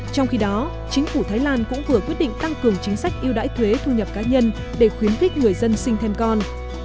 trong khi đó chính phủ thái lan cũng vừa quyết định tăng cường chính sách yêu đãi thuế thu nhập cá nhân để khuyến khích người dân sinh thêm con